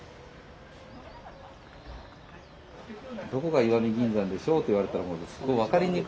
どこが石見銀山でしょうと言われたら分かりにくい。